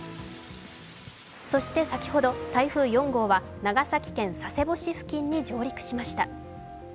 そして先ほど、台風４号は長崎県佐世保付近に上陸しました。